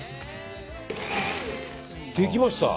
できました！